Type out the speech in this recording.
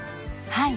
はい。